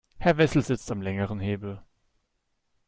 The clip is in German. Herr Wessel sitzt am längeren Hebel.